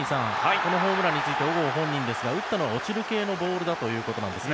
このホームランについて小郷本人ですが打ったのは落ちる系のボールだということです。